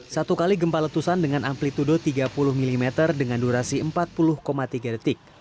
satu kali gempa letusan dengan amplitude tiga puluh mm dengan durasi empat puluh tiga detik